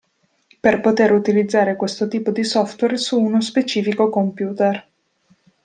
Per poter utilizzare questo tipo di software su uno specifico computer.